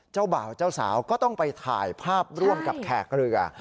เจ้าบ่าวเจ้าสาวก็ต้องไปถ่ายภาพร่วมกับแขกเรือ